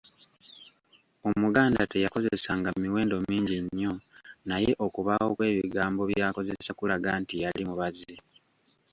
Omuganda teyakozesanga miwendo mingi nnnyo naye okubaawo kw’ebigambo by’akozesa kulaga nti yali mubazi.